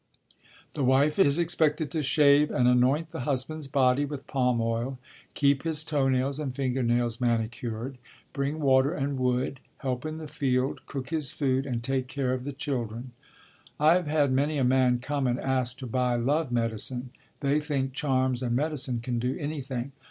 The wife is expected to shave and anoint the husband's body with palm oil, keep his toenails and fingernails manicured, bring water and wood, help in the field, cook his food, and take care of the children. I have had many a man come and ask to buy love medicine. They think charms and medicine can do anything.